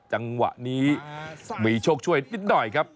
จังหวะนี้มีโชคช่วยนิดหน่อยครับ